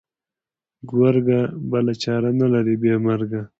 گرگه! بله چاره نه لري بې مرگه.